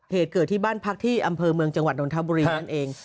เหตุเกิดที่บ้านพักที่อำเภอเมืองจังหวัดนทบุรีนั่นเอง